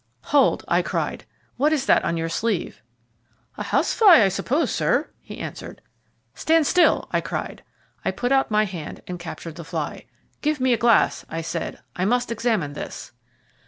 "Hold!" I cried, "what is that on your sleeve?" "A house fly, I suppose, sir," he answered. "Stand still," I cried. I put out my hand and captured the fly. "Give me a glass," I said. "I must examine this."